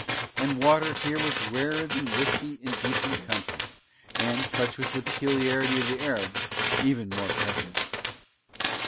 And water here was rarer than whiskey in decent countries and, such was the peculiarity of the Arabs, even more precious.